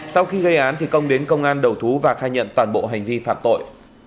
sau khi gây án thì công đến công an đầu thú và khai nhận toàn bộ hành vi phạm tội